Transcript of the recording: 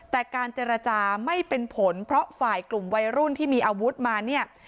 แต่การเจรจาไม่เป็นผลเพราะฝ่ายกลุ่มวัยรุ่นที่มีอาวุธมาเนี่ย